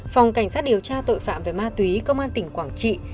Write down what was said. phòng cảnh sát điều tra tội phạm về ma túy công an tỉnh quảng trị